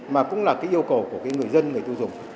mà cũng là yêu cầu của người dân người tư dùng